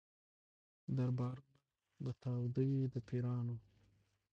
دربارونه به تاوده وي د پیرانو